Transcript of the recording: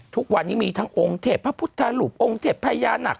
ทุกวันนี้มีทั้งองค์เทพพระพุทธรูปองค์เทพพญานัก